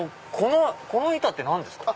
この板って何ですか？